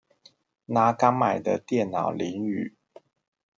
拿剛買的電腦淋雨